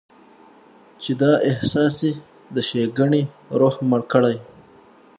چې دا احساس دې د ښېګڼې روح مړ کړي.